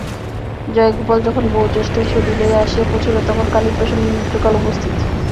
জয়গোপাল যখন বহু চেষ্টায় ছুটি লইয়া আসিয়া পৌঁছিল তখন কালীপ্রসন্নের মৃত্যুকাল উপস্থিত।